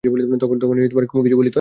তখনই কুমু কিছু বলতে পারলে না।